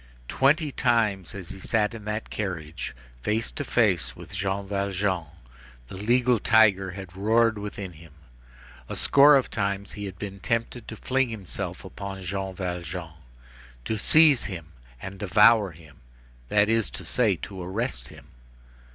Twenty times, as he sat in that carriage face to face with Jean Valjean, the legal tiger had roared within him. A score of times he had been tempted to fling himself upon Jean Valjean, to seize him and devour him, that is to say, to arrest him.